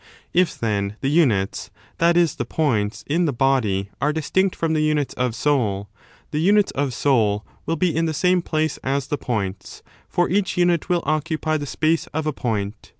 If, then, the units, that is the points, in the body are distinct from the units of soul, the units of soul will be in the same place as the points, for each unit will occupy the space of a point.